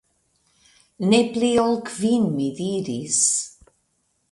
Ne pli ol kvin, mi diris.